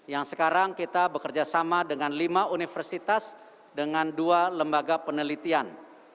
yang sekarang kita bekerja sama dengan lima universitas dengan dua lembaga penelitian